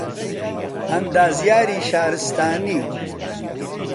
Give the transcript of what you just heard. ئەندازیاریی شارستانی